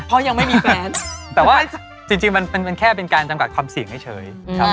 ซื้อแต่ว่าจริงมันแค่เป็นการจำกัดความเสี่ยงเฉย